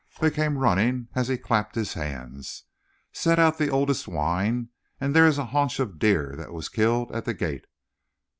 They came running as he clapped his hands. "Set out the oldest wine, and there is a haunch of the deer that was killed at the gate.